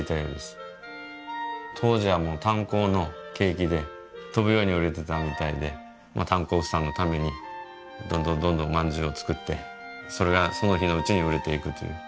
当時はもう炭鉱の景気で飛ぶように売れてたみたいで炭鉱夫さんのためにどんどんどんどん饅頭を作ってそれがその日のうちに売れていくという。